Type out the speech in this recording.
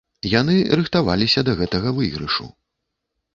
Яны рыхтаваліся да гэтага выйгрышу.